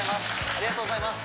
ありがとうございます。